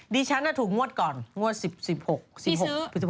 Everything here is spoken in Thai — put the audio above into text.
ดิฉันน่ะถูกงวดก่อนงวด๑๖